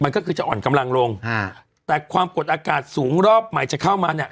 มันก็คือจะอ่อนกำลังลงฮะแต่ความกดอากาศสูงรอบใหม่จะเข้ามาเนี่ย